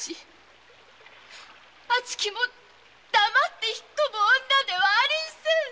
わちきも黙って引っ込む女ではありんせん！